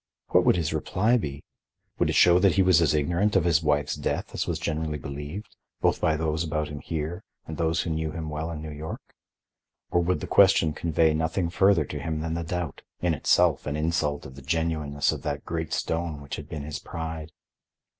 What would his reply be? Would it show that he was as ignorant of his wife's death as was generally believed, both by those about him here and those who knew him well in New York? Or would the question convey nothing further to him than the doubt—in itself an insult of the genuineness of that great stone which had been his pride?